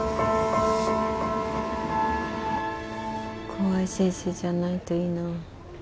怖い先生じゃないといいなぁ。